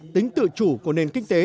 tính tự chủ của nền kinh tế